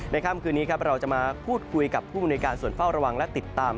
ค่ำคืนนี้ครับเราจะมาพูดคุยกับผู้บริการส่วนเฝ้าระวังและติดตาม